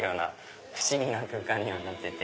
不思議な空間にはなってて。